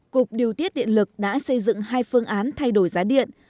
cục điều tiết điện lực đã xây dựng hai phương án thay đổi giá điện